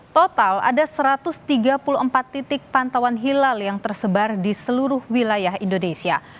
total ada satu ratus tiga puluh empat titik pantauan hilal yang tersebar di seluruh wilayah indonesia